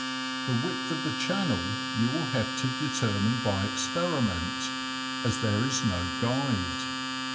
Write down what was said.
The width of the channel you will have to determine by experiment, as there is no guide.